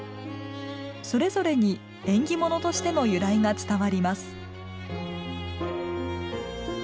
それぞれに縁起物としての由来が伝わります。